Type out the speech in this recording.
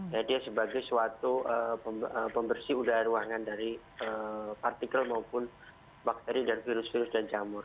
jadi sebagai suatu pembersih udara ruangan dari partikel maupun bakteri dan virus virus dan camur